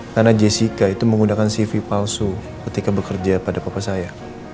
karena jessica itu menggunakan cv palsu ketika bekerja pada papa saya